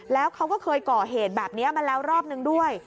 แล้วเขาก็เคยก่อเหตุแบบนี้มาแล้วรอบนึงด้วย